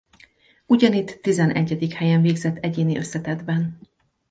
Ugyanitt tizenegyedik helyen végzett egyéni összetettben.